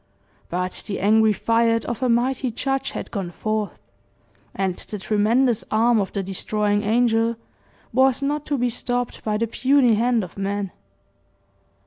But the angry fiat of a Mighty Judge had gone forth, and the tremendous arm of the destroying angel was not to be stopped by the puny hand of man.